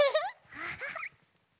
アハハ！